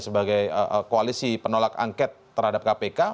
sebagai koalisi penolak angket terhadap kpk